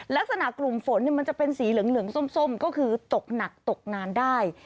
ลักษณะกลุ่มฝนมันจะเป็นสีเหลืองส้มก็คือตกหนักตกนานได้